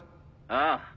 ああ。